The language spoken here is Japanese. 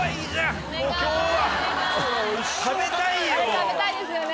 食べたいですよね。